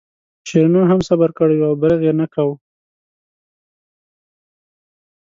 شیرینو هم صبر کړی و او برغ یې نه کاوه.